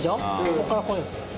ここからこうやるんですよ。